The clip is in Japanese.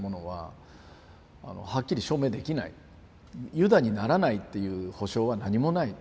ユダにならないっていう保証は何もない。